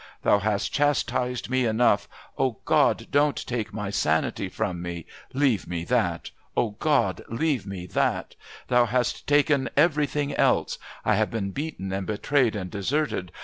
Thou hast chastised me enough. Oh, God, don't take my sanity from me leave me that. Oh, God, leave me that! Thou hast taken everything else. I have been beaten and betrayed and deserted.